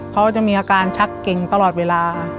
เขาจะมีอาการชักเก่งตลอดเวลา